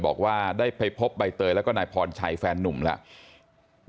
บอกว่าได้ไปพบใบเตยแล้วก็นายพรชัยแฟนนุ่มแล้ว